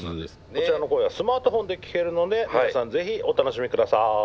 こちらの声はスマートフォンで聴けるので皆さん是非お楽しみください。